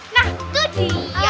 nah itu dia